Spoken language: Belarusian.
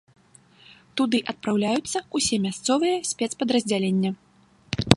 Туды адпраўляюцца ўсе мясцовыя спецпадраздзялення.